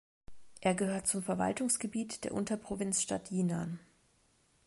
Er gehört zum Verwaltungsgebiet der Unterprovinzstadt Jinan.